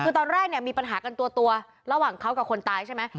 คือตอนแรกเนี่ยมีปัญหากันตัวระหว่างเขากับคนตายใช่ไหม